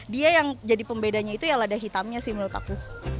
dia yang jadi pembedanya itu ya lada hitamnya sih menurut aku